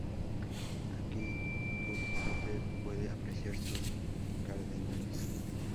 Ahí Kvothe puede apreciar sus cardenales.